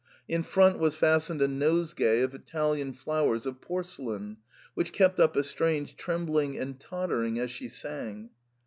In front was fastened a nosegay of Italian flowers of porcelain, which kept up a strange tremb ling and tottering as she sang.